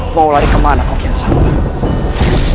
mau lari kemana kau kian sampai